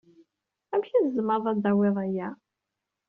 Amek ay tzemreḍ ad tawyeḍ aya?